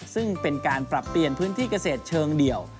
ซึ่งเป็นการปรับเปลี่ยนพื้นที่เกษตรเชิงเดี่ยว